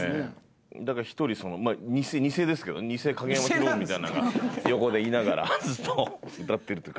だから１人偽ですけど偽影山ヒロノブみたいなんが横でいながらずっと歌ってるという。